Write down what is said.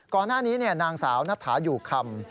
ก่อนหน้านี้นางสาวนัฐาอยู่คำ